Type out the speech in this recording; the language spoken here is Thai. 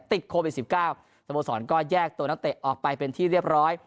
ติดโควิด๑๙สโมสรก็แยกตัวนักเตะออกไปเป็นที่เรียบร้อย